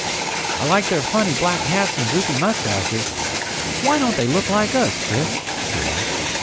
"I like their funny black hats and droopy mustaches. Why don't they look like us, Chris?" he asked.